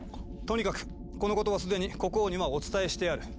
とにかくこのことは既に国王にはお伝えしてある。